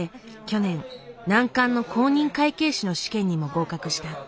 去年難関の公認会計士の試験にも合格した。